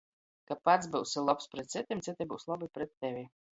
Ka pats byusi lobs pret cytim, cyti byus lobi pret tevi.